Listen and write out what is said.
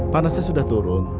panasnya sudah turun